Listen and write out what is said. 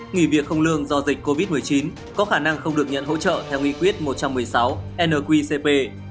nghỉ việc không lương do dịch covid một mươi chín có khả năng không được nhận hỗ trợ theo nghị quyết một trăm một mươi sáu nqcp